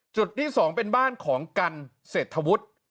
จุดที่๒เป็นบ้านของกันเศรษฐวุฒิ